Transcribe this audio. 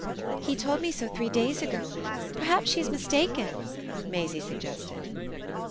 "He told me so three days ago. Perhaps she's mistaken," Maisie suggested.